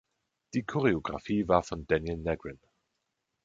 Die Choreographie war von Daniel Negrin.